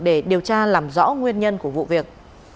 để điều tra làm rõ nguyên nhân của vụ việc